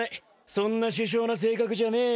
そんな殊勝な性格じゃねえよ。